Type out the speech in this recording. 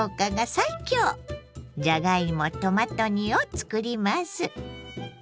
じゃがいもトマト煮をつくります。